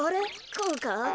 こうか。